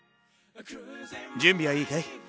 準備はいいかい？